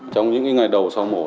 trong những ngày đầu sau mổ